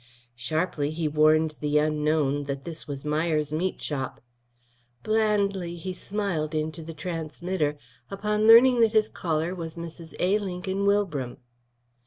Sharply he warned the unknown that this was Myers's Meat Shop. Blandly he smiled into the transmitter upon learning that his caller was Mrs. A. Lincoln Wilbram.